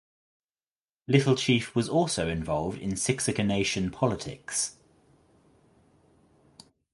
Little Chief was also involved in Siksika Nation politics.